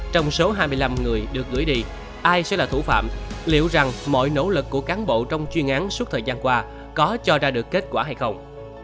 trong số hai mươi năm người được gửi đi ai sẽ là thủ phạm liệu rằng mọi nỗ lực của cán bộ trong chuyên án suốt thời gian qua có cho ra được kết quả hay không